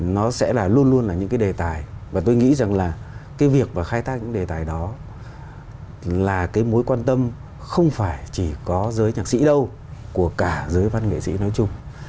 nó sẽ là luôn luôn là những cái đề tài và tôi nghĩ rằng là cái việc và khai thác những đề tài đó là cái mối quan tâm không phải chỉ có giới nhạc sĩ đâu của cả giới văn nghệ sĩ nói chung